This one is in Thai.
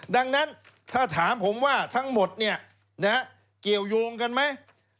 ดังนั้นถ้าถามผมว่าทั้งหมดเกี่ยวยงกันไหม